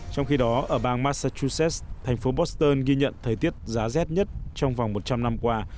trong khi đó ở bang massachusetts thành phố boston ghi nhận thời tiết giá rét nhất trong vòng một trăm linh năm qua